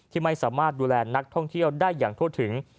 ที่ไม่สามารถดูแลนักท่องเที่ยวได้อย่างทั่วถึง